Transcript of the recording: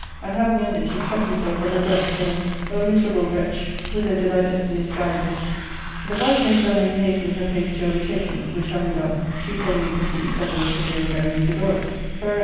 And having ended, he struck himself on the breast, saying, " O miserable wretch, whither do thy destinies guide thee ?" The voice made Zelmane . hasten her pace to overtake him, which having done, she plainly perceived that it was her dear friend Musidorus; whereat.